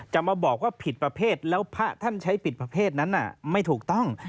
จะมาบอกว่าผิดประเภทแล้วพระท่านใช้ผิดประเภทนั้นไม่ถูกต้อง